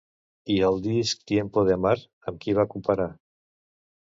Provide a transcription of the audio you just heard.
I al disc Tiempo de amar amb qui va cooperar?